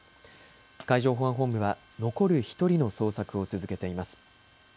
海上保安本部は残る１人の捜索を続けています。